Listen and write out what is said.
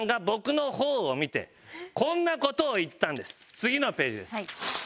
次のページです。